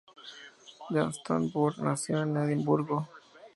Johnstone-Burt nació en Edimburgo.